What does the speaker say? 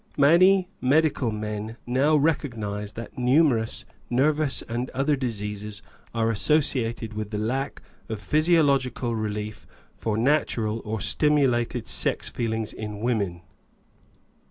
Many medical men now recognise that numerous nervous and other diseases are associated with the lack of physiological relief for natural or stimulated sex feelings in women.